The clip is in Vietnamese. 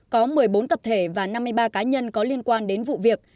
có một mươi bốn tập thể và năm mươi ba cá nhân có liên quan đến vụ việc